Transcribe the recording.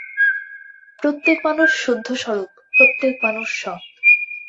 প্রত্যেক মানুষ শুদ্ধস্বরূপ, প্রত্যেক মানুষ সৎ।